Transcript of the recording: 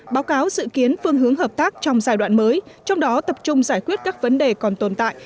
báo cáo dự kiến phương hướng hợp tác trong giai đoạn mới trong đó tập trung giải quyết các vấn đề còn tồn tại